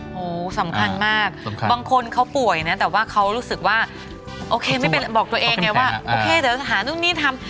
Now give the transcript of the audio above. โหสำคัญมากบางคนเขาป่วยนะแต่ว่าเขารู้สึกว่าโอเคไม่เป็นไรบอกตัวเองไงว่าโอเคเดี๋ยวสถานนู่นนี่ทำ